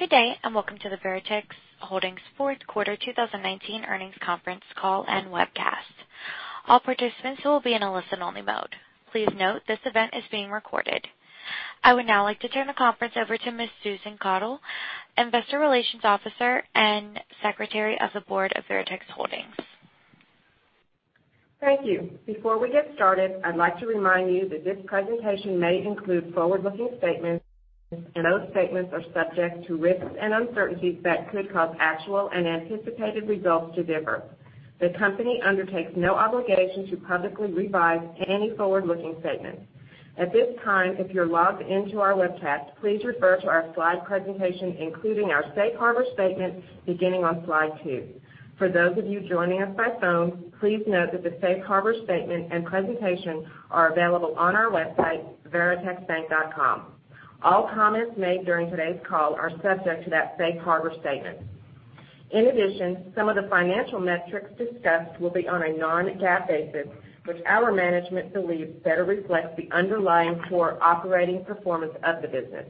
Good day, welcome to the Veritex Holdings Fourth Quarter 2019 Earnings Conference Call and Webcast. All participants will be in a listen-only mode. Please note this event is being recorded. I would now like to turn the conference over to Ms. Susan Caudle, Investor Relations Officer and Secretary of the Board of Veritex Holdings. Thank you. Before we get started, I'd like to remind you that this presentation may include forward-looking statements, and those statements are subject to risks and uncertainties that could cause actual and anticipated results to differ. The company undertakes no obligation to publicly revise any forward-looking statements. At this time, if you're logged in to our webcast, please refer to our slide presentation, including our safe harbor statement, beginning on slide two. For those of you joining us by phone, please note that the safe harbor statement and presentation are available on our website, veritexbank.com. All comments made during today's call are subject to that safe harbor statement. In addition, some of the financial metrics discussed will be on a non-GAAP basis, which our management believes better reflects the underlying core operating performance of the business.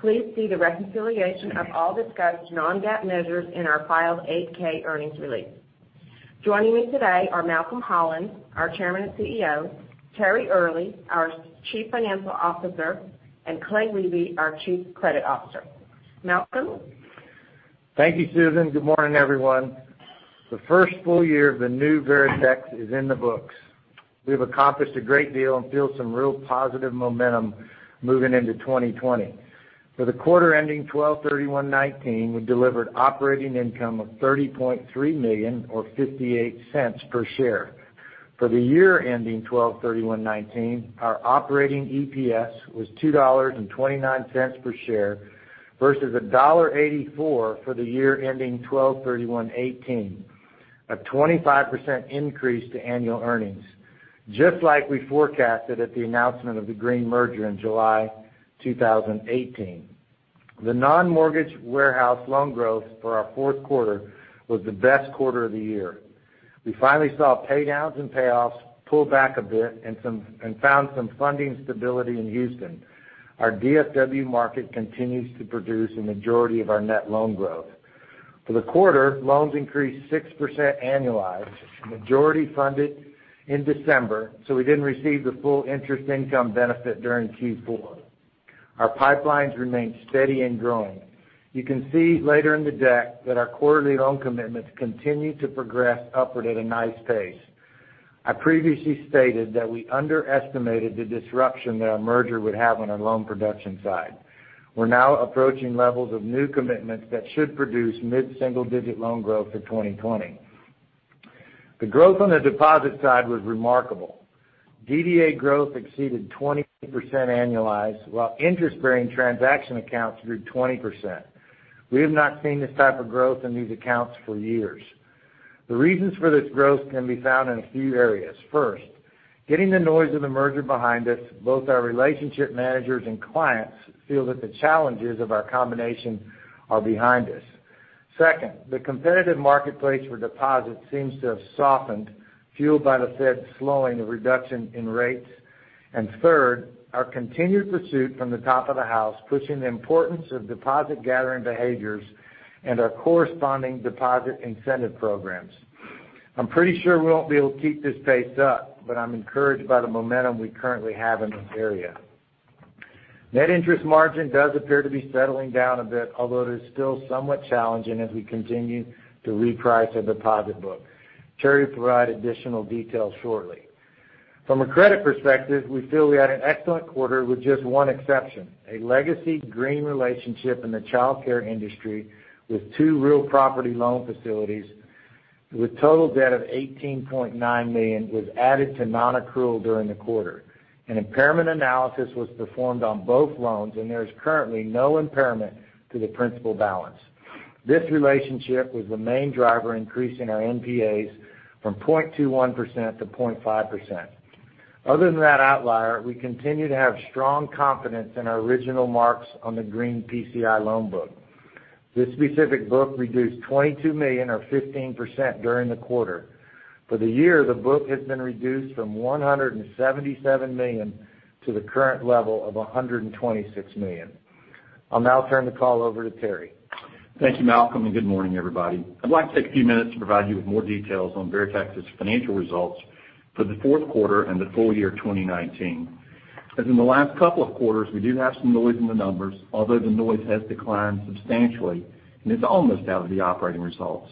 Please see the reconciliation of all discussed non-GAAP measures in our filed 8-K earnings release. Joining me today are Malcolm Holland, our Chairman and CEO, Terry Earley, our Chief Financial Officer, and Clay Riebe, our Chief Credit Officer. Malcolm? Thank you, Susan. Good morning, everyone. The first full year of the new Veritex is in the books. We have accomplished a great deal and feel some real positive momentum moving into 2020. For the quarter ending 12/31/2019, we delivered operating income of $30.3 million or $0.58 per share. For the year ending 12/31/2019, our operating EPS was $2.29 per share versus $1.84 for the year ending 12/31/2018, a 25% increase to annual earnings, just like we forecasted at the announcement of the Green merger in July 2018. The non-mortgage warehouse loan growth for our fourth quarter was the best quarter of the year. We finally saw paydowns and payoffs pull back a bit and found some funding stability in Houston. Our DFW market continues to produce a majority of our net loan growth. For the quarter, loans increased 6% annualized, majority funded in December, so we didn't receive the full interest income benefit during Q4. Our pipelines remained steady and growing. You can see later in the deck that our quarterly loan commitments continue to progress upward at a nice pace. I previously stated that we underestimated the disruption that our merger would have on our loan production side. We're now approaching levels of new commitments that should produce mid-single-digit loan growth for 2020. The growth on the deposit side was remarkable. DDA growth exceeded 20% annualized, while interest-bearing transaction accounts grew 20%. We have not seen this type of growth in these accounts for years. The reasons for this growth can be found in a few areas. First, getting the noise of the merger behind us, both our relationship managers and clients feel that the challenges of our combination are behind us. Second, the competitive marketplace for deposits seems to have softened, fueled by the Fed slowing the reduction in rates. Third, our continued pursuit from the top of the house, pushing the importance of deposit-gathering behaviors and our corresponding deposit incentive programs. I'm pretty sure we won't be able to keep this pace up, but I'm encouraged by the momentum we currently have in this area. Net interest margin does appear to be settling down a bit, although it is still somewhat challenging as we continue to reprice the deposit book. Terry will provide additional details shortly. From a credit perspective, we feel we had an excellent quarter with just one exception, a legacy Green relationship in the childcare industry with two real property loan facilities with total debt of $18.9 million was added to nonaccrual during the quarter. An impairment analysis was performed on both loans. There is currently no impairment to the principal balance. This relationship was the main driver increase in our NPAs from 0.21% to 0.5%. Other than that outlier, we continue to have strong confidence in our original marks on the Green PCI loan book. This specific book reduced $22 million or 15% during the quarter. For the year, the book has been reduced from $177 million to the current level of $126 million. I'll now turn the call over to Terry. Thank you, Malcolm. Good morning, everybody. I'd like to take a few minutes to provide you with more details on Veritex's financial results for the fourth quarter and the full year 2019. As in the last couple of quarters, we do have some noise in the numbers, although the noise has declined substantially and is almost out of the operating results.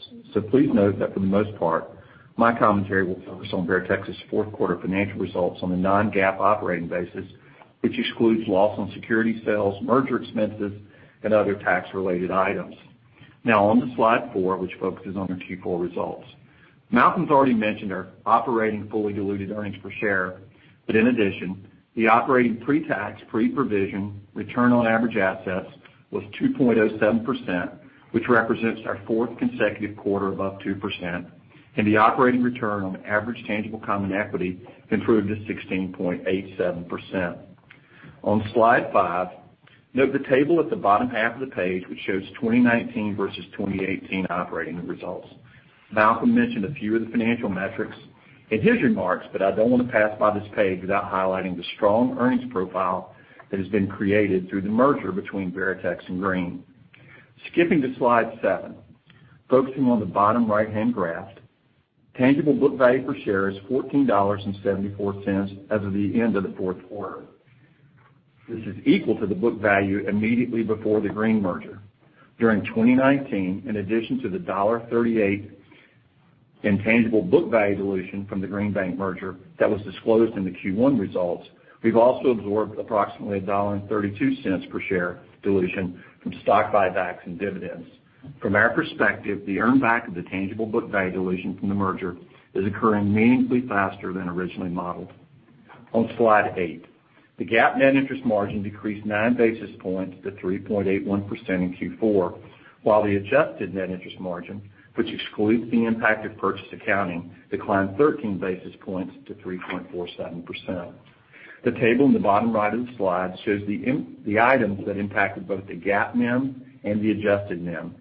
Please note that for the most part, my commentary will focus on Veritex's fourth quarter financial results on a non-GAAP operating basis, which excludes loss on security sales, merger expenses, and other tax-related items. On to slide four, which focuses on our Q4 results. Malcolm's already mentioned our operating fully diluted earnings per share, but in addition, the operating pre-tax, pre-provision return on average assets was 2.07%, which represents our fourth consecutive quarter above 2%, and the operating return on average tangible common equity improved to 16.87%. On slide five, note the table at the bottom half of the page, which shows 2019 versus 2018 operating results. Malcolm mentioned a few of the financial metrics in his remarks, but I don't want to pass by this page without highlighting the strong earnings profile that has been created through the merger between Veritex and Green. Skipping to slide seven, focusing on the bottom right-hand graph, tangible book value per share is $14.74 as of the end of the fourth quarter. This is equal to the book value immediately before the Green merger. During 2019, in addition to the $1.38 in tangible book value dilution from the Green Bank merger that was disclosed in the Q1 results, we've also absorbed approximately $1.32 per share dilution from stock buybacks and dividends. From our perspective, the earn back of the tangible book value dilution from the merger is occurring meaningfully faster than originally modeled. On slide eight, the GAAP net interest margin decreased 9 basis points to 3.81% in Q4, while the adjusted net interest margin, which excludes the impact of purchase accounting, declined 13 basis points to 3.47%. The table in the bottom right of the slide shows the items that impacted both the GAAP NIM and the adjusted NIM.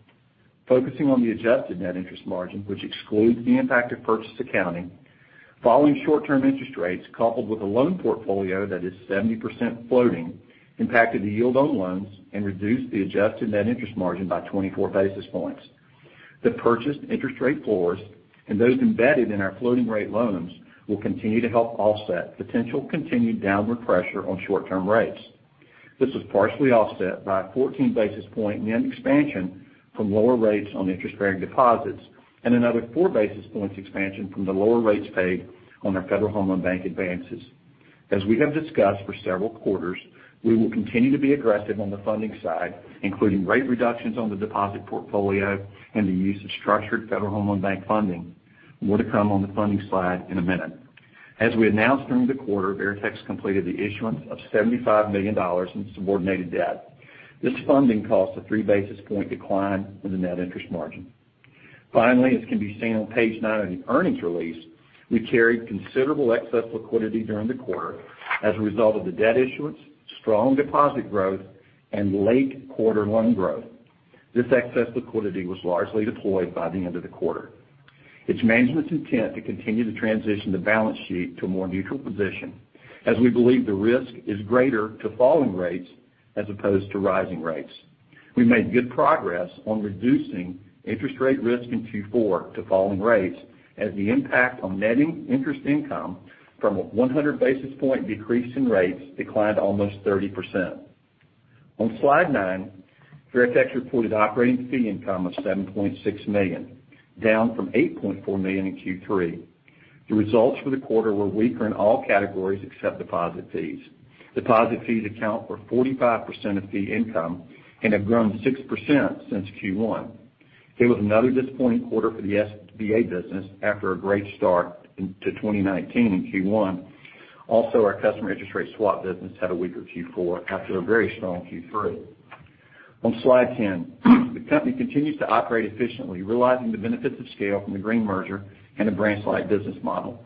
Focusing on the adjusted net interest margin, which excludes the impact of purchase accounting, following short-term interest rates coupled with a loan portfolio that is 70% floating impacted the yield on loans and reduced the adjusted net interest margin by 24 basis points. The purchased interest rate floors and those embedded in our floating rate loans will continue to help offset potential continued downward pressure on short-term rates. This was partially offset by a 14 basis point NIM expansion from lower rates on interest-bearing deposits and another 4 basis points expansion from the lower rates paid on our Federal Home Loan Bank advances. As we have discussed for several quarters, we will continue to be aggressive on the funding side, including rate reductions on the deposit portfolio and the use of structured Federal Home Loan Bank funding. More to come on the funding slide in a minute. As we announced during the quarter, Veritex completed the issuance of $75 million in subordinated debt. This funding caused a 3 basis point decline in the net interest margin. Finally, as can be seen on page nine of the earnings release, we carried considerable excess liquidity during the quarter as a result of the debt issuance, strong deposit growth, and late quarter loan growth. This excess liquidity was largely deployed by the end of the quarter. It's management's intent to continue to transition the balance sheet to a more neutral position, as we believe the risk is greater to falling rates as opposed to rising rates. We made good progress on reducing interest rate risk in Q4 to falling rates, as the impact on netting interest income from a 100 basis point decrease in rates declined almost 30%. On slide nine, Veritex reported operating fee income of $7.6 million, down from $8.4 million in Q3. The results for the quarter were weaker in all categories except deposit fees. Deposit fees account for 45% of fee income and have grown 6% since Q1. It was another disappointing quarter for the SBA business after a great start to 2019 in Q1. Also, our customer interest rate swap business had a weaker Q4 after a very strong Q3. On slide 10, the company continues to operate efficiently, realizing the benefits of scale from the Green merger and the branch-light business model.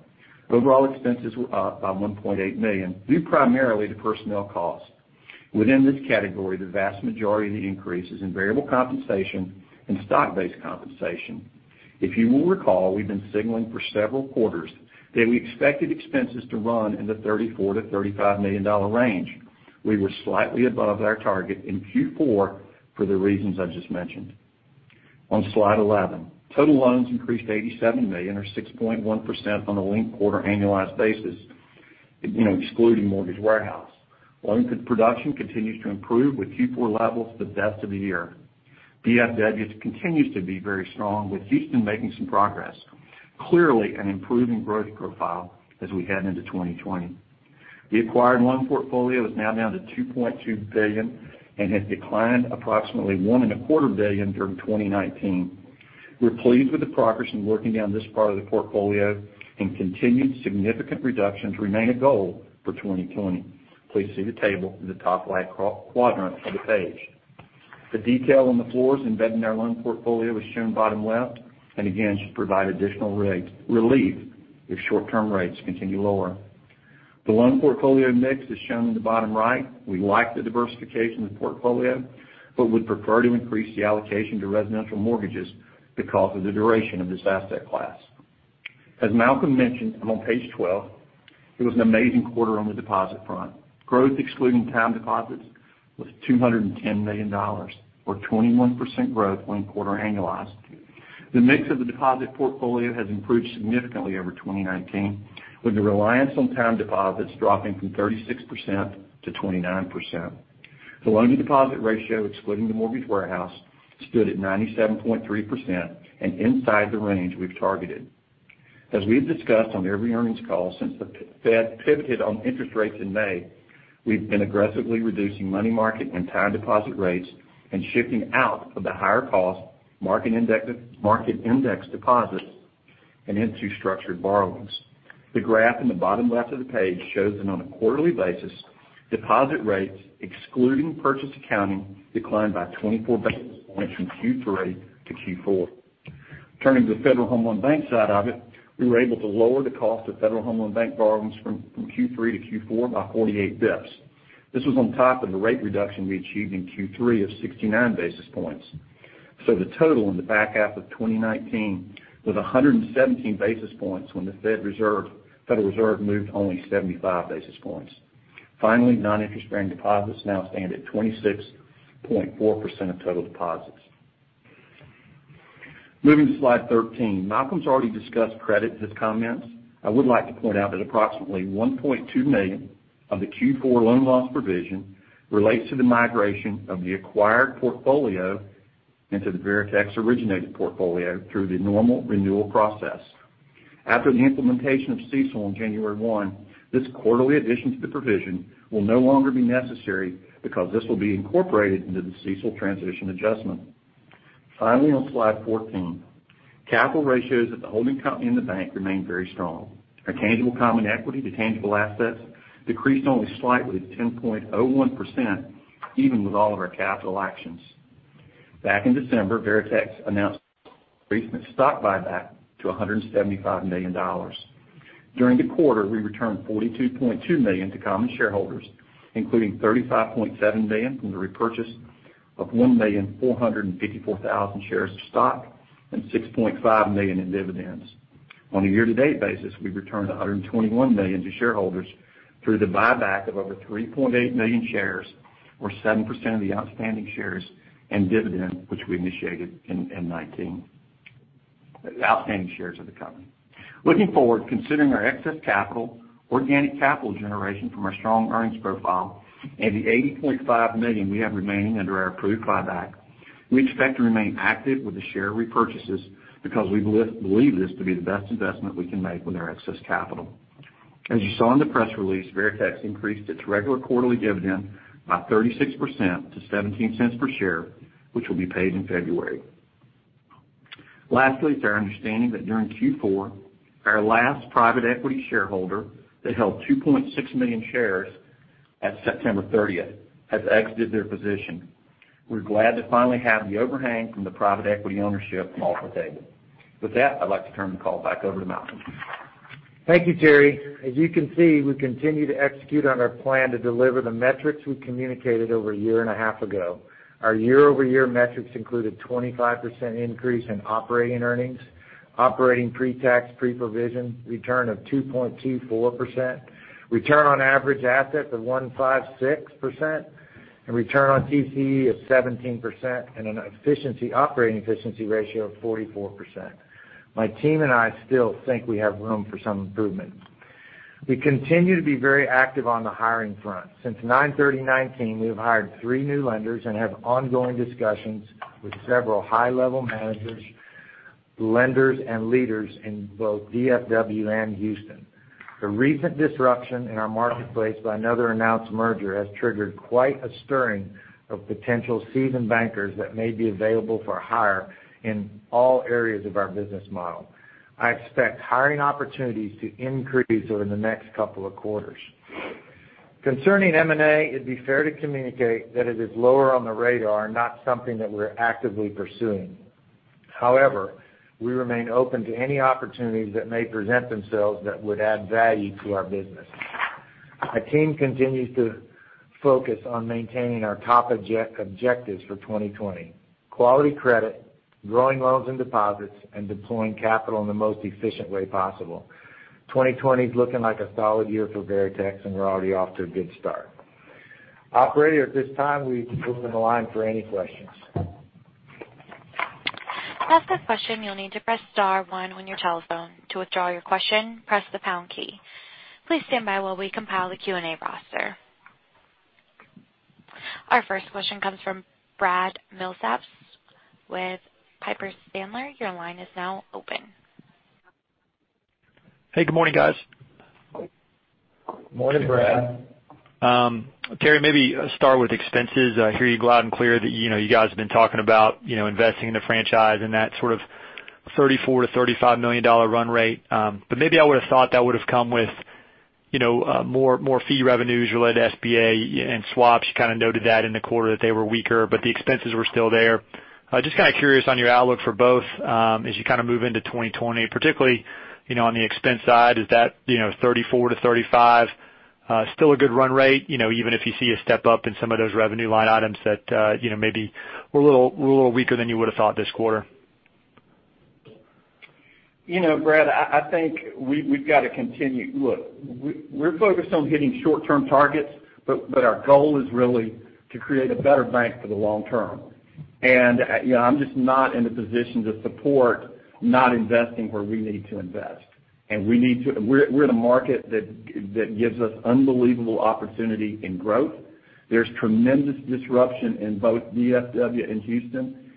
Overall expenses were up by $1.8 million, due primarily to personnel costs. Within this category, the vast majority of the increase is in variable compensation and stock-based compensation. If you will recall, we've been signaling for several quarters that we expected expenses to run in the $34 million-$35 million range. We were slightly above our target in Q4 for the reasons I just mentioned. On slide 11, total loans increased to $87 million, or 6.1% on a linked quarter annualized basis, excluding mortgage warehouse. Loan production continues to improve with Q4 levels the best of the year. DFW continues to be very strong with Houston making some progress. Clearly, an improving growth profile as we head into 2020. The acquired loan portfolio is now down to $2.2 billion and has declined approximately $1.25 billion during 2019. We're pleased with the progress in working down this part of the portfolio and continued significant reductions remain a goal for 2020. Please see the table in the top left quadrant of the page. The detail on the floors embedded in our loan portfolio is shown bottom left, and again, should provide additional relief if short-term rates continue lower. The loan portfolio mix is shown in the bottom right. We like the diversification of the portfolio, but would prefer to increase the allocation to residential mortgages because of the duration of this asset class. As Malcolm mentioned, and on page 12, it was an amazing quarter on the deposit front. Growth excluding time deposits was $210 million, or 21% growth linked-quarter annualized. The mix of the deposit portfolio has improved significantly over 2019, with the reliance on time deposits dropping from 36% to 29%. The loan-to-deposit ratio, excluding the mortgage warehouse, stood at 97.3% and inside the range we've targeted. As we've discussed on every earnings call since the Fed pivoted on interest rates in May, we've been aggressively reducing money market and time deposit rates and shifting out of the higher cost market index deposits and into structured borrowings. The graph in the bottom left of the page shows that on a quarterly basis, deposit rates, excluding purchase accounting, declined by 24 basis points from Q3 to Q4. Turning to the Federal Home Loan Bank side of it, we were able to lower the cost of Federal Home Loan Bank borrowings from Q3 to Q4 by 48 basis points. This was on top of the rate reduction we achieved in Q3 of 69 basis points. The total in the back half of 2019 was 117 basis points when the Federal Reserve moved only 75 basis points. Finally, non-interest bearing deposits now stand at 26.4% of total deposits. Moving to slide 13. Malcolm's already discussed credit in his comments. I would like to point out that approximately $1.2 million of the Q4 loan loss provision relates to the migration of the acquired portfolio into the Veritex originated portfolio through the normal renewal process. After the implementation of CECL on January 1, this quarterly addition to the provision will no longer be necessary because this will be incorporated into the CECL transition adjustment. Finally, on slide 14, capital ratios at the holding company and the bank remain very strong. Our tangible common equity to tangible assets decreased only slightly to 10.01%, even with all of our capital actions. Back in December, Veritex announced recent stock buyback to $175 million. During the quarter, we returned $42.2 million to common shareholders, including $35.7 million from the repurchase of 1,454,000 shares of stock and $6.5 million in dividends. On a year-to-date basis, we've returned $121 million to shareholders through the buyback of over 3.8 million shares, or 7% of the outstanding shares in dividend, which we initiated in 2019. Looking forward, considering our excess capital, organic capital generation from our strong earnings profile and the $80.5 million we have remaining under our approved buyback, we expect to remain active with the share repurchases because we believe this to be the best investment we can make with our excess capital. As you saw in the press release, Veritex increased its regular quarterly dividend by 36% to $0.17 per share, which will be paid in February. Lastly, it's our understanding that during Q4, our last private equity shareholder that held 2.6 million shares at September 30th, has exited their position. We're glad to finally have the overhang from the private equity ownership off the table. With that, I'd like to turn the call back over to Malcolm. Thank you, Terry. As you can see, we continue to execute on our plan to deliver the metrics we communicated over a year and a half ago. Our year-over-year metrics included 25% increase in operating earnings, operating pre-tax, pre-provision return of 2.24%, return on average assets of 1.56%, and return on TCE of 17%, and an operating efficiency ratio of 44%. My team and I still think we have room for some improvement. We continue to be very active on the hiring front. Since 9/30/2019, we have hired three new lenders and have ongoing discussions with several high-level managers, lenders, and leaders in both DFW and Houston. The recent disruption in our marketplace by another announced merger has triggered quite a stirring of potential seasoned bankers that may be available for hire in all areas of our business model. I expect hiring opportunities to increase over the next couple of quarters. Concerning M&A, it'd be fair to communicate that it is lower on the radar, not something that we're actively pursuing. However, we remain open to any opportunities that may present themselves that would add value to our business. Our team continues to focus on maintaining our top objectives for 2020, quality credit, growing loans and deposits, and deploying capital in the most efficient way possible. 2020's looking like a solid year for Veritex, and we're already off to a good start. Operator, at this time, we open the line for any questions. To ask a question, you'll need to press star one on your telephone. To withdraw your question, press the pound key. Please stand by while we compile the Q&A roster. Our first question comes from Brad Milsaps with Piper Sandler. Your line is now open. Hey, good morning, guys. Morning, Brad. Terry, maybe start with expenses. I hear you loud and clear that you guys have been talking about investing in the franchise and that sort of $34 million-$35 million run rate. Maybe I would have thought that would have come with more fee revenues related to SBA and swaps. You kind of noted that in the quarter that they were weaker, but the expenses were still there. Just kind of curious on your outlook for both as you move into 2020. Particularly, on the expense side, is that $34 million-$35 million still a good run rate, even if you see a step up in some of those revenue line items that maybe were a little weaker than you would've thought this quarter? Brad, I think we've got to continue. We're focused on hitting short-term targets, our goal is really to create a better bank for the long term. I'm just not in a position to support not investing where we need to invest. We're in a market that gives us unbelievable opportunity in growth. There's tremendous disruption in both DFW and Houston.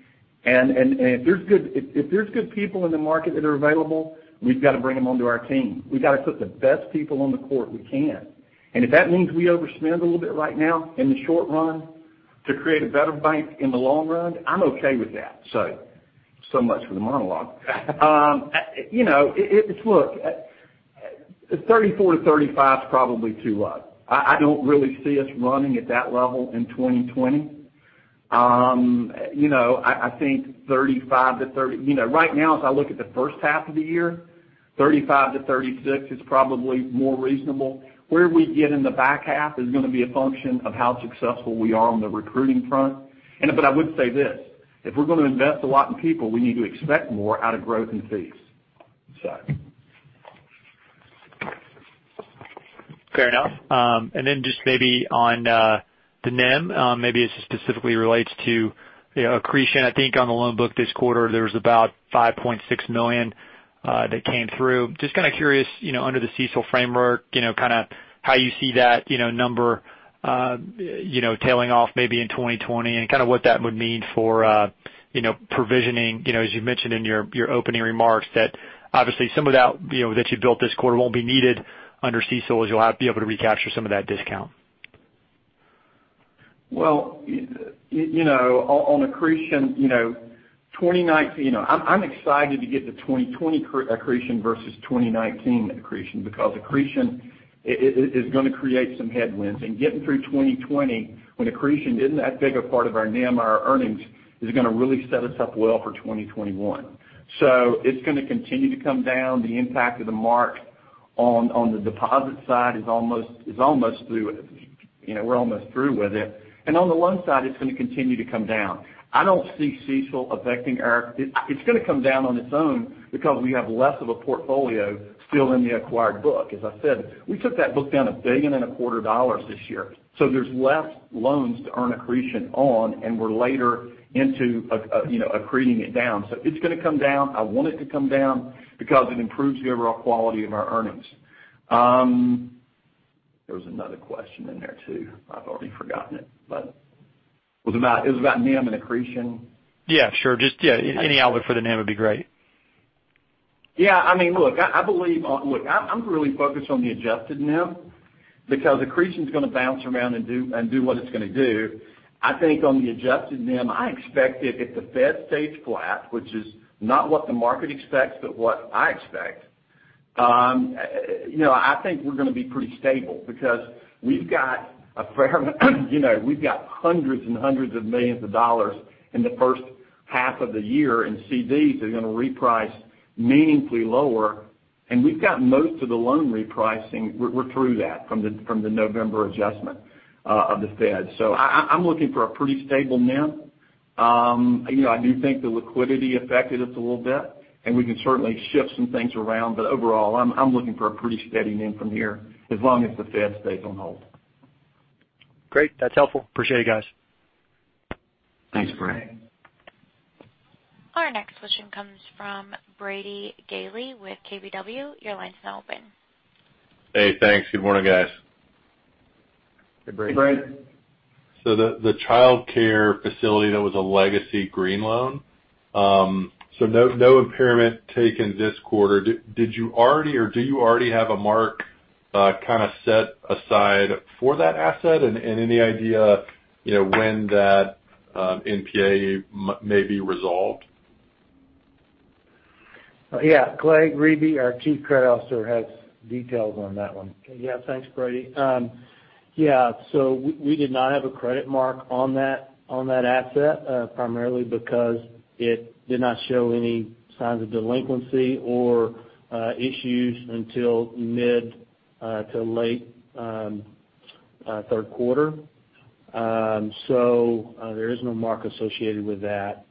If there's good people in the market that are available, we've got to bring them onto our team. We've got to put the best people on the court we can. If that means we overspend a little bit right now in the short run to create a better bank in the long run, I'm okay with that. So much for the monologue. $34 million-$35 million is probably too low. I don't really see us running at that level in 2020. I think, right now, as I look at the first half of the year, $35 million-$36 million is probably more reasonable. Where we get in the back half is going to be a function of how successful we are on the recruiting front. I would say this, if we're going to invest a lot in people, we need to expect more out of growth and fees. Fair enough. Just maybe on the NIM, maybe this specifically relates to accretion. I think on the loan book this quarter, there was about $5.6 million that came through. Just kind of curious, under the CECL framework, how you see that number tailing off maybe in 2020 and what that would mean for provisioning. As you mentioned in your opening remarks, that obviously some of that that you built this quarter won't be needed under CECL, as you'll be able to recapture some of that discount. On accretion, I'm excited to get to 2020 accretion versus 2019 accretion, because accretion is going to create some headwinds. Getting through 2020 when accretion isn't that big a part of our NIM or our earnings is going to really set us up well for 2021. It's going to continue to come down. The impact of the mark on the deposit side is almost through. We're almost through with it. On the loan side, it's going to continue to come down. I don't see CECL. It's going to come down on its own because we have less of a portfolio still in the acquired book. As I said, we took that book down a $1.25 billion this year. There's less loans to earn accretion on, and we're later into accreting it down. It's going to come down. I want it to come down because it improves the overall quality of our earnings. There was another question in there, too. I've already forgotten it, but it was about NIM and accretion. Yeah, sure. Just any outlook for the NIM would be great. Yeah. Look, I'm really focused on the adjusted NIM because accretion's going to bounce around and do what it's going to do. I think on the adjusted NIM, I expect if the Fed stays flat, which is not what the market expects, but what I expect, I think we're going to be pretty stable because we've got hundreds and hundreds of millions of dollars in the first half of the year in CDs that are going to reprice meaningfully lower. We've gotten most of the loan repricing. We're through that from the November adjustment of the Fed. I'm looking for a pretty stable NIM. I do think the liquidity affected us a little bit, and we can certainly shift some things around. Overall, I'm looking for a pretty steady NIM from here, as long as the Fed stays on hold. Great. That's helpful. Appreciate it, guys. Thanks, Brad. Our next question comes from Brady Gailey with KBW. Your line's now open. Hey, thanks. Good morning, guys. Hey, Brady. Hey, Brady. The childcare facility that was a legacy Green loan. No impairment taken this quarter. Did you already, or do you already have a mark kind of set aside for that asset? Any idea when that NPA may be resolved? Yeah. Clay Riebe, our Chief Credit Officer, has details on that one. Thanks, Brady. We did not have a credit mark on that asset, primarily because it did not show any signs of delinquency or issues until mid to late third quarter. There is no mark associated with that.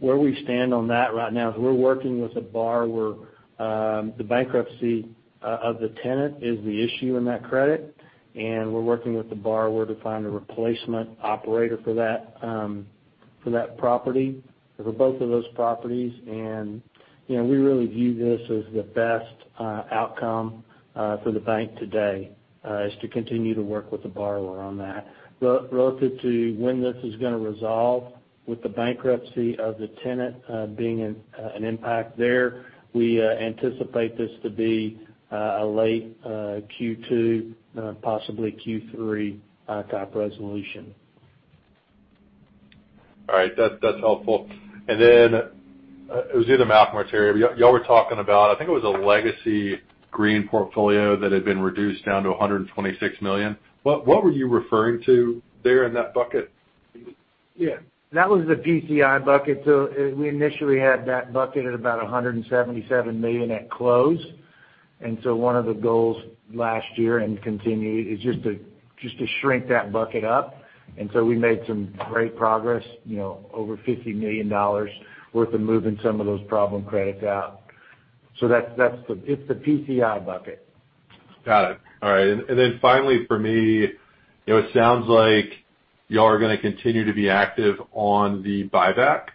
Where we stand on that right now is we're working with a borrower. The bankruptcy of the tenant is the issue in that credit, and we're working with the borrower to find a replacement operator for that property, for both of those properties. We really view this as the best outcome for the bank today, is to continue to work with the borrower on that. Relative to when this is going to resolve with the bankruptcy of the tenant being an impact there, we anticipate this to be a late Q2, possibly Q3 type resolution. All right. That's helpful. It was either Malcolm or Terry. You all were talking about, I think it was a legacy Green portfolio that had been reduced down to $126 million. What were you referring to there in that bucket? Yeah. That was the PCI bucket. We initially had that bucket at about $177 million at close. One of the goals last year, and continuing, is just to shrink that bucket up. We made some great progress, over $50 million worth of moving some of those problem credits out. It's the PCI bucket. Got it. All right. Then finally for me, it sounds like you all are going to continue to be active on the buyback.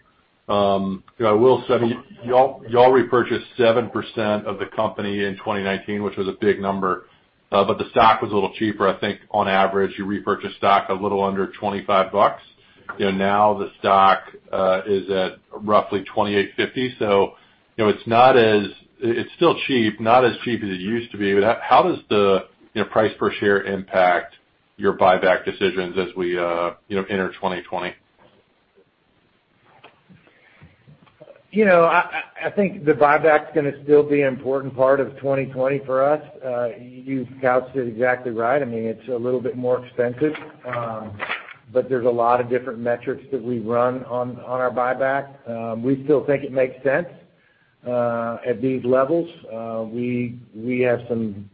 I will say, you all repurchased 7% of the company in 2019, which was a big number. The stock was a little cheaper. I think on average, you repurchased stock a little under $25. Now the stock is at roughly $28.50. It's still cheap, not as cheap as it used to be. How does the price per share impact your buyback decisions as we enter 2020? I think the buyback's going to still be an important part of 2020 for us. You've couched it exactly right. It's a little bit more expensive, but there's a lot of different metrics that we run on our buyback. We still think it makes sense at these levels. We have some.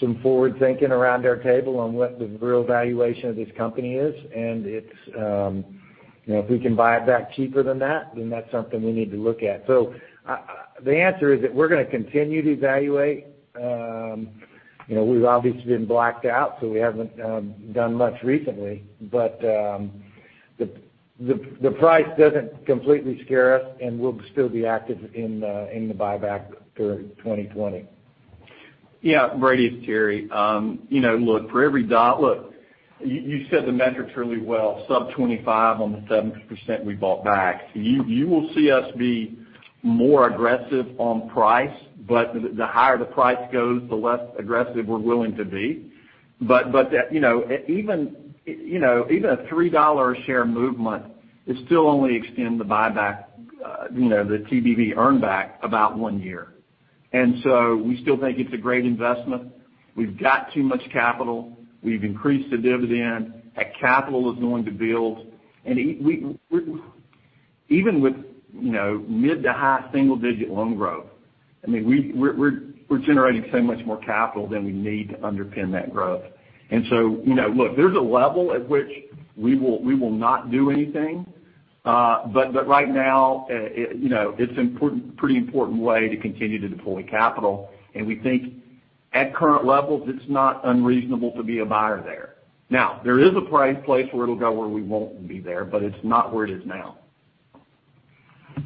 Some forward thinking around our table on what the real valuation of this company is, and if we can buy it back cheaper than that, then that's something we need to look at. The answer is that we're going to continue to evaluate. We've obviously been blacked out, so we haven't done much recently, but the price doesn't completely scare us, and we'll still be active in the buyback during 2020. Yeah. Brady, it's Terry. Look, you said the metrics really well, sub-25 on the 7% we bought back. You will see us be more aggressive on price, but the higher the price goes, the less aggressive we're willing to be. Even a $3 a share movement will still only extend the buyback, the TBV earn back about one year. We still think it's a great investment. We've got too much capital. We've increased the dividend. That capital is going to build. Even with mid to high single-digit loan growth, we're generating so much more capital than we need to underpin that growth. Look, there's a level at which we will not do anything. Right now, it's a pretty important way to continue to deploy capital. We think at current levels, it's not unreasonable to be a buyer there. There is a price point where it'll go where we won't be there, but it's not where it is now.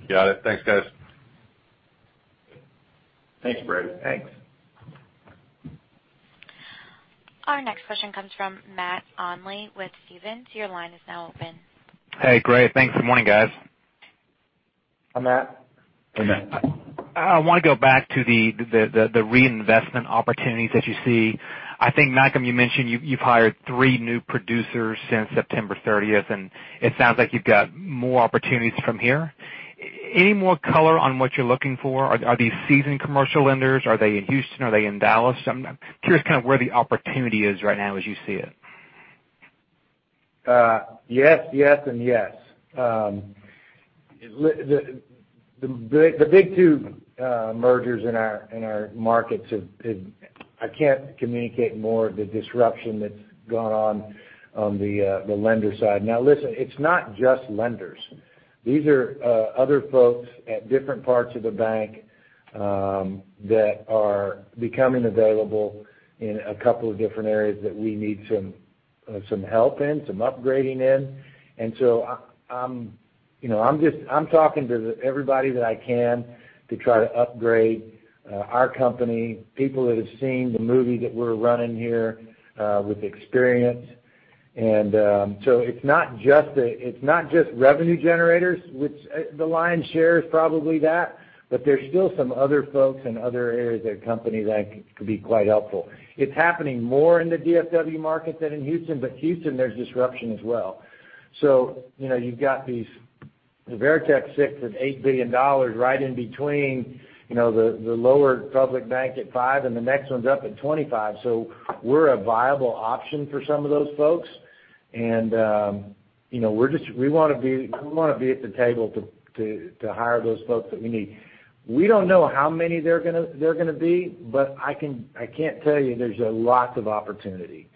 Got it. Thanks, guys. Thanks, Brady. Thanks. Our next question comes from Matt Olney with Stephens. Your line is now open. Hey, great. Thanks. Good morning, guys. Hi, Matt. Hey, Matt. I want to go back to the reinvestment opportunities that you see. I think, Malcolm, you mentioned you've hired three new producers since September 30th, and it sounds like you've got more opportunities from here. Any more color on what you're looking for? Are these seasoned commercial lenders? Are they in Houston? Are they in Dallas? I'm curious kind of where the opportunity is right now as you see it. Yes, yes, and yes. The big two mergers in our markets have. I can't communicate more the disruption that's gone on the lender side. Now, listen, it's not just lenders. These are other folks at different parts of the bank that are becoming available in a couple of different areas that we need some help in, some upgrading in. I'm talking to everybody that I can to try to upgrade our company, people that have seen the movie that we're running here with experience. It's not just revenue generators, which the lion's share is probably that, but there's still some other folks in other areas of the company that could be quite helpful. It's happening more in the DFW market than in Houston, but Houston, there's disruption as well. You've got these Veritex $6 billion and $8 billion right in between, the lower public bank at $5 and the next one's up at $25. We're a viable option for some of those folks. We want to be at the table to hire those folks that we need. We don't know how many they're going to be, but I can't tell you there's lots of opportunity.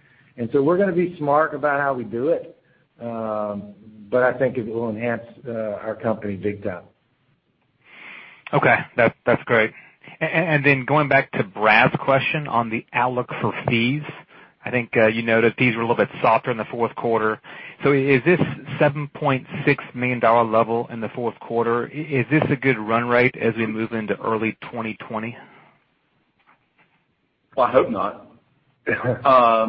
We're going to be smart about how we do it. I think it will enhance our company big time. Okay. That's great. Going back to Brad's question on the outlook for fees, I think you noted fees were a little bit softer in the fourth quarter. Is this $7.6 million level in the fourth quarter, is this a good run rate as we move into early 2020? Well, I hope not. I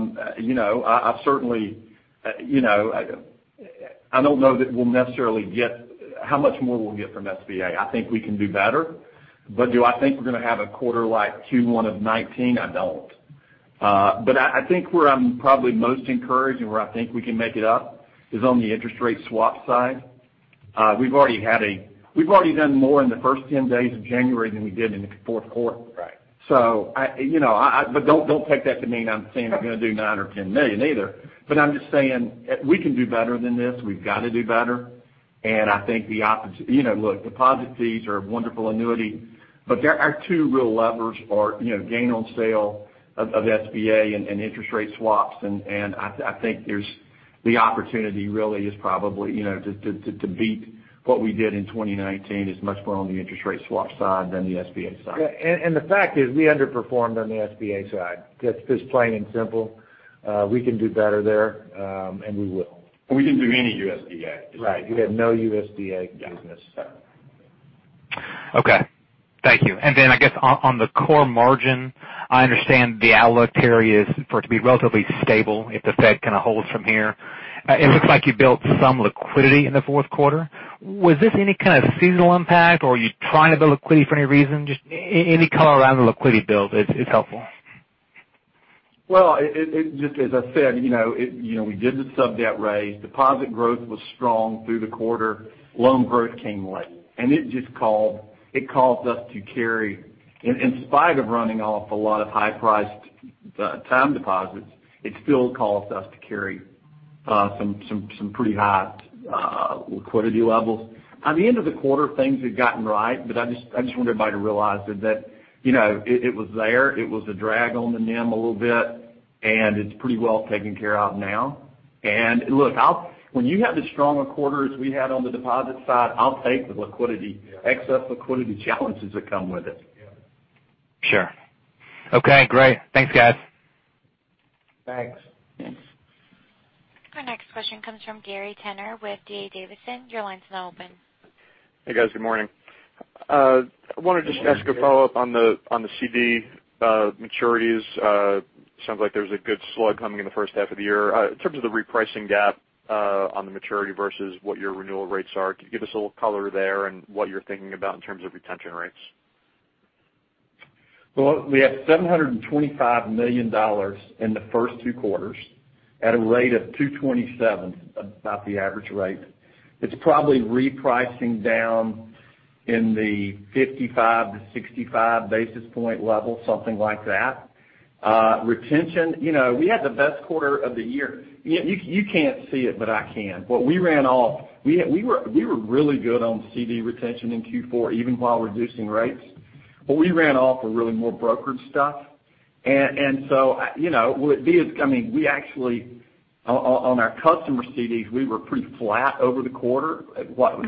don't know how much more we'll get from SBA. I think we can do better. Do I think we're going to have a quarter like Q1 of 2019? I don't. I think where I'm probably most encouraged and where I think we can make it up is on the interest rate swap side. We've already done more in the first 10 days of January than we did in the fourth quarter. Right. Don't take that to mean I'm saying I'm going to do $9 million or $10 million either. I'm just saying we can do better than this. We've got to do better. Look, deposit fees are a wonderful annuity, but our two real levers are gain on sale of SBA and interest rate swaps. I think the opportunity really is probably to beat what we did in 2019 is much more on the interest rate swap side than the SBA side. Yeah. The fact is, we underperformed on the SBA side. Just plain and simple. We can do better there, and we will. We didn't do any USDA. Right. We have no USDA business. Yeah. Okay. Thank you. I guess on the core margin, I understand the outlook, Terry, is for it to be relatively stable if the Fed kind of holds from here. It looks like you built some liquidity in the fourth quarter. Was this any kind of seasonal impact or are you trying to build liquidity for any reason? Just any color around the liquidity build is helpful. Well, as I said, we did the sub-debt raise. Deposit growth was strong through the quarter. Loan growth came late. It caused us to carry, in spite of running off a lot of high-priced time deposits, it still caused us to carry some pretty high liquidity levels. At the end of the quarter, things had gotten right, but I just want everybody to realize that it was there, it was a drag on the NIM a little bit, and it's pretty well taken care of now. Look, when you have as strong a quarter as we had on the deposit side, I'll take the excess liquidity challenges that come with it. Sure. Okay, great. Thanks, guys. Thanks. Our next question comes from Gary Tenner with D.A. Davidson. Your line's now open. Hey, guys. Good morning. I wanted to- Hey, Gary. ask a follow-up on the CD maturities. Sounds like there's a good slug coming in the first half of the year. In terms of the repricing gap on the maturity versus what your renewal rates are, could you give us a little color there and what you're thinking about in terms of retention rates? Well, we have $725 million in the first two quarters at a rate of 227. That's about the average rate. It's probably repricing down in the 55-65 basis point level, something like that. Retention, we had the best quarter of the year. You can't see it, but I can. What we ran off, we were really good on CD retention in Q4, even while reducing rates. What we ran off were really more brokerage stuff. We actually, on our customer CDs, we were pretty flat over the quarter.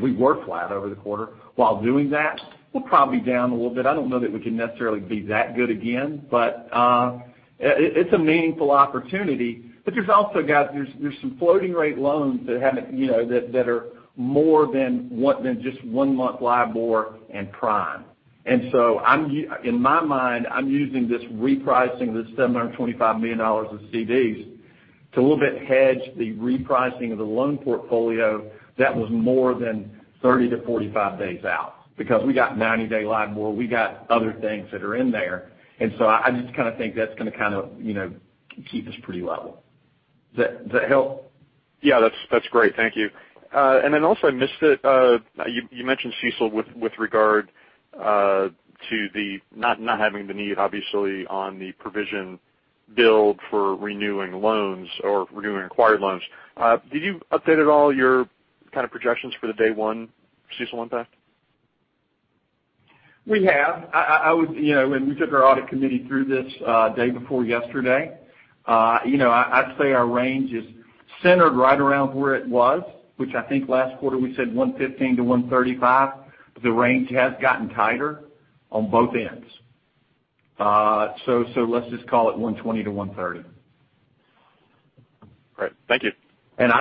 We were flat over the quarter while doing that. We're probably down a little bit. I don't know that we can necessarily be that good again, but it's a meaningful opportunity. There's also, guys, there's some floating rate loans that are more than just one-month LIBOR and Prime. In my mind, I'm using this repricing of this $725 million of CDs to a little bit hedge the repricing of the loan portfolio that was more than 30-45 days out because we got 90-day LIBOR, we got other things that are in there. I just think that's going to keep us pretty level. Does that help? Yeah. That's great. Thank you. Then also, I missed it. You mentioned CECL with regard to the not having the need, obviously, on the provision build for renewing loans or renewing acquired loans. Did you update at all your kind of projections for the day one CECL impact? We have. We took our audit committee through this day before yesterday. I'd say our range is centered right around where it was, which I think last quarter we said 115-135, but the range has gotten tighter on both ends. Let's just call it 120-130. Great. Thank you. Within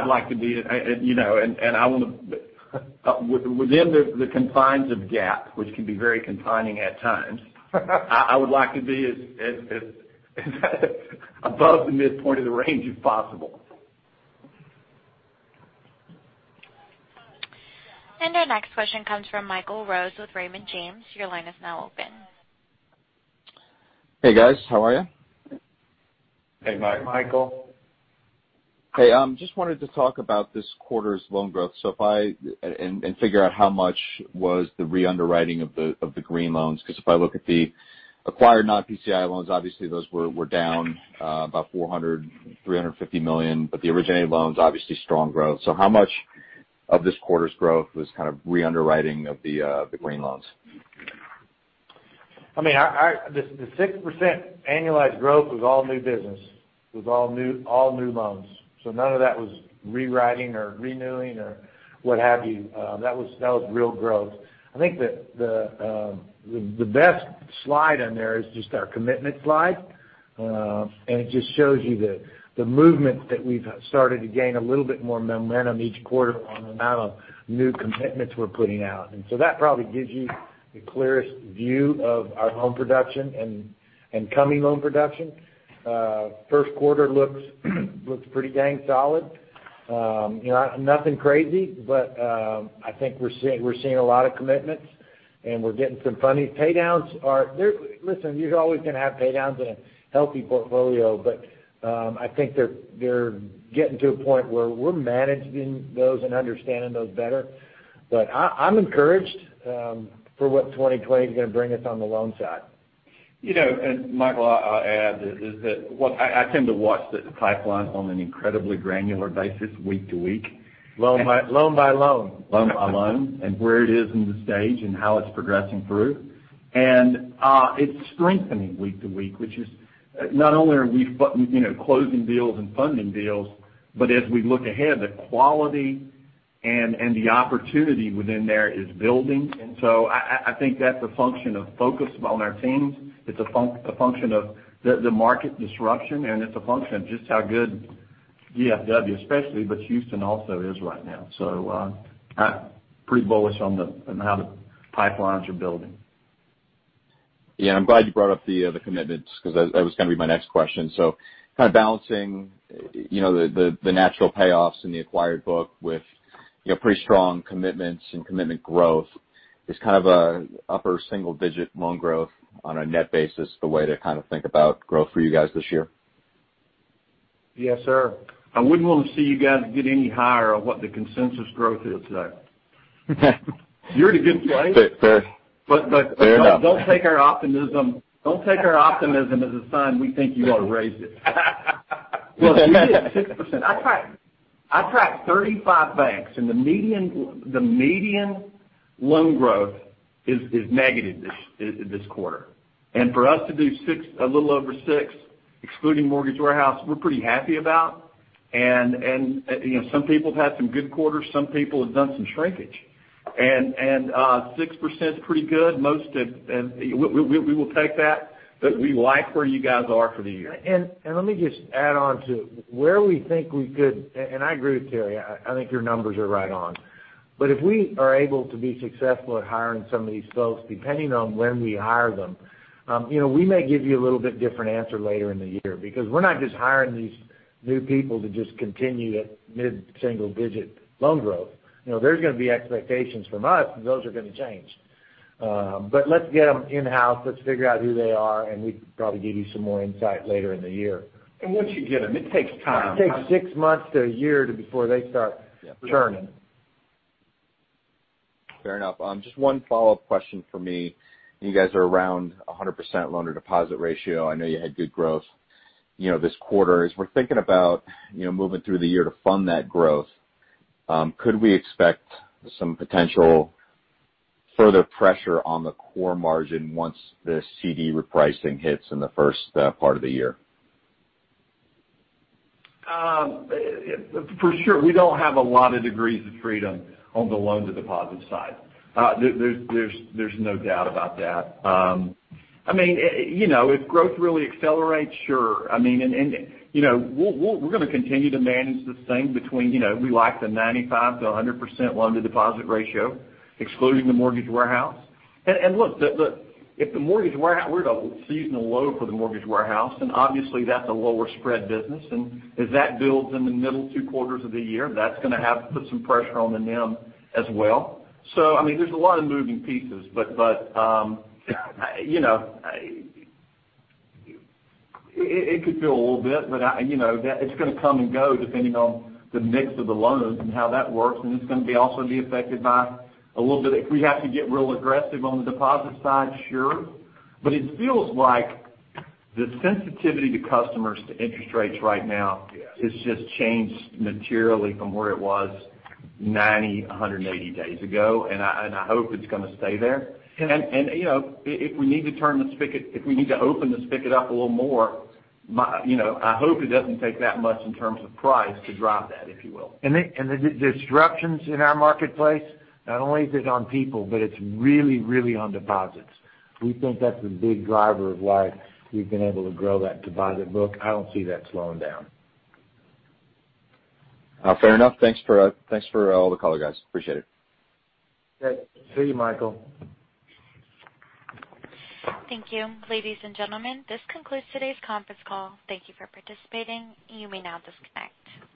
the confines of GAAP, which can be very confining at times, I would like to be as above the midpoint of the range as possible. Our next question comes from Michael Rose with Raymond James. Your line is now open. Hey, guys. How are you? Hey, Michael. Hey Michael. Hey. Just wanted to talk about this quarter's loan growth and figure out how much was the re-underwriting of the Green loans, because if I look at the acquired non-PCI loans, obviously those were down about $400 million, $350 million, but the originated loans, obviously strong growth. How much of this quarter's growth was kind of re-underwriting of the Green loans? The 6% annualized growth was all new business. It was all new loans. None of that was rewriting or renewing or what have you. That was real growth. I think the best slide in there is just our commitment slide, and it just shows you the movement that we've started to gain a little bit more momentum each quarter on the amount of new commitments we're putting out. That probably gives you the clearest view of our home production and coming loan production. First quarter looks pretty dang solid. Nothing crazy, but I think we're seeing a lot of commitments and we're getting some funding. You're always going to have pay-downs in a healthy portfolio, but I think they're getting to a point where we're managing those and understanding those better. I'm encouraged for what 2020 is going to bring us on the loan side. Michael, I'll add is that I tend to watch the pipeline on an incredibly granular basis week to week. Loan by loan. Loan by loan, and where it is in the stage and how it's progressing through. It's strengthening week to week, which is not only are we closing deals and funding deals, but as we look ahead, the quality and the opportunity within there is building. I think that's a function of focus on our teams. It's a function of the market disruption, and it's a function of just how good DFW. especially, but Houston also is right now. I'm pretty bullish on how the pipelines are building. Yeah, I'm glad you brought up the commitments because that was going to be my next question. Kind of balancing the natural payoffs in the acquired book with pretty strong commitments and commitment growth is kind of a upper single-digit loan growth on a net basis the way to kind of think about growth for you guys this year? Yes, sir. I wouldn't want to see you guys get any higher on what the consensus growth is today. You're in a good place. Fair enough. Don't take our optimism as a sign we think you ought to raise it. Well, if you did 6%, I tracked 35 banks, and the median loan growth is negative this quarter. For us to do a little over 6%, excluding mortgage warehouse, we're pretty happy about. Some people have had some good quarters, some people have done some shrinkage. 6% is pretty good. We will take that. We like where you guys are for the year. Let me just add on to where we think we could. I agree with Terry, I think your numbers are right on. If we are able to be successful at hiring some of these folks, depending on when we hire them, we may give you a little bit different answer later in the year, because we're not just hiring these new people to just continue that mid-single digit loan growth. There's going to be expectations from us, and those are going to change. Let's get them in-house, let's figure out who they are, and we can probably give you some more insight later in the year. Once you get them, it takes time. It takes six months to a year before they start churning. Fair enough. Just one follow-up question from me. You guys are around 100% loan-to-deposit ratio. I know you had good growth this quarter. As we're thinking about moving through the year to fund that growth, could we expect some potential further pressure on the core margin once the CD repricing hits in the first part of the year? For sure. We don't have a lot of degrees of freedom on the loan-to-deposit side. There's no doubt about that. If growth really accelerates, sure. We're going to continue to manage this thing between, we like the 95%-100% loan-to-deposit ratio, excluding the mortgage warehouse. Look, we're at a seasonal low for the mortgage warehouse, and obviously, that's a lower spread business. As that builds in the middle two quarters of the year, that's going to have to put some pressure on the NIM as well. There's a lot of moving pieces, but it could feel a little bit, but it's going to come and go depending on the mix of the loans and how that works. It's going to also be affected by a little bit if we have to get real aggressive on the deposit side, sure. It feels like the sensitivity to customers to interest rates right now has just changed materially from where it was 90, 180 days ago, and I hope it's going to stay there. If we need to open the spigot up a little more, I hope it doesn't take that much in terms of price to drive that, if you will. The disruptions in our marketplace, not only is it on people, but it's really, really on deposits. We think that's a big driver of why we've been able to grow that deposit book. I don't see that slowing down. Fair enough. Thanks for all the color, guys. Appreciate it. Okay. See you, Michael. Thank you. Ladies and gentlemen, this concludes today's conference call. Thank you for participating. You may now disconnect.